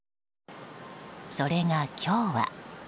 それが、今日は。